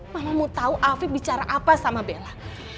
mama mau tau afif bicara apa sama bella